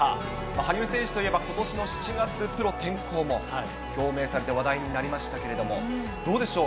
羽生選手といえば、ことしの７月、プロ転向も表明されて話題になりましたけれども、どうでしょう。